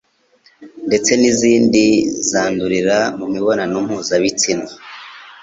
ndetse n'izindi zandurira mu mibonano mpuzabitsina.